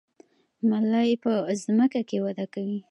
ملی په ځمکه کې وده کوي